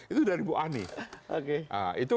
itu dari ibu ani